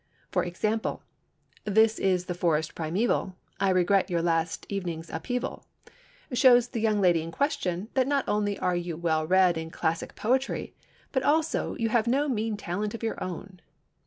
For example—"This is the forest primeval, I regret your last evening's upheaval," shows the young lady in question that not only are you well read in classic poetry, but also you have no mean talent of your own.